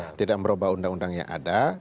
kita tidak merubah undang undang yang ada